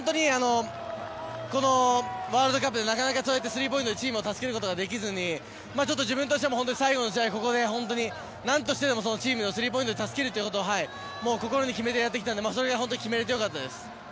このワールドカップでなかなかスリーポイントでチームを助けることができずにちょっと自分としても最後の試合何としてでもチームをスリーポイントで助けるということを心に決めてやってきたのでそれを決められて本当に良かったです。